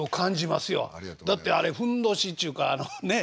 だってあれふんどしっちゅうかねっ。